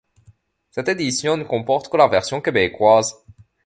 Cette édition ne comporte que la version québécoise.